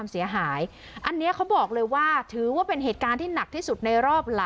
มีประชาชนในพื้นที่เขาถ่ายคลิปเอาไว้ได้ค่ะ